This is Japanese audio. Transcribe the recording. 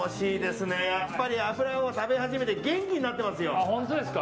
やっぱり脂を食べ始めて元気になってますよ。